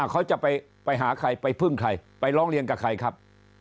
เขาจะไปหาใครไปพึ่งใครไปร้องเรียนกับใครครับ